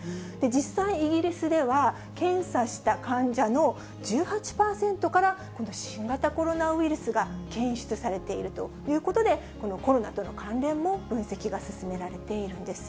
実際、イギリスでは、検査した患者の１８％から、今度は新型コロナウイルスが検出されているということで、このコロナとの関連も、分析が進められているんです。